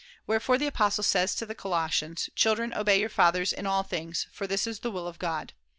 Wherefore the apostle says to the Colossians :' Children obey your fathers in all things, for this is the will of God.'